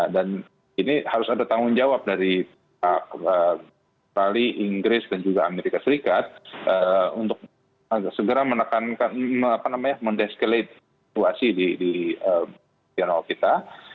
dan ini harus ada tanggung jawab dari bali inggris dan juga amerika serikat untuk segera mendeskaliasi situasi di regional kita